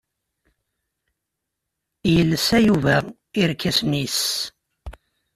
Yelsa Yuba irkasen-is.